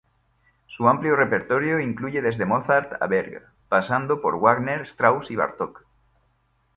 Su amplio repertorio incluye desde Mozart a Berg, pasando por Wagner, Strauss y Bartók.